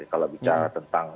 kalau bicara tentang